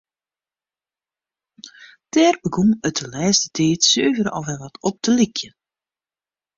Dêr begûn it de lêste tiid suver al wer wat op te lykjen.